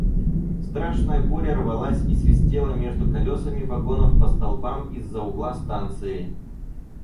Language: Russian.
Страшная буря рвалась и свистела между колесами вагонов по столбам из-за угла станции.